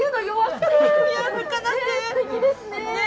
すてきですね。